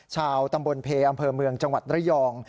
ชาวตำบลเพอำเภอเมืองจังหวัดระยอง